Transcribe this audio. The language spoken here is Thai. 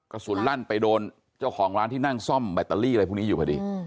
กระสุนลั่นไปโดนเจ้าของร้านที่นั่งซ่อมแบตเตอรี่อะไรพวกนี้อยู่พอดี